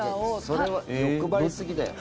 それは欲張りすぎだよ。